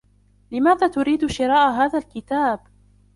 لماذا تريد شراء هذا الكتاب ؟